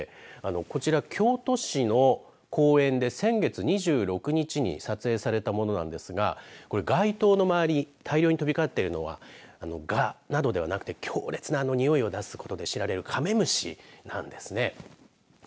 こちら京都市の公園で先月２６日に撮影されたものなんですが街灯の周り、大量に飛び交っているのはがなどではなくて強烈な臭いを出すことで知られるカメムシなんですね。